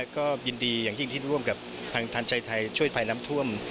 ก็ยินดีอย่างยิ่งที่ร่วมกับทางทันใจไทยช่วยภัยน้ำท่วม